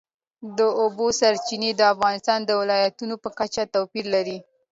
د اوبو سرچینې د افغانستان د ولایاتو په کچه توپیر لري.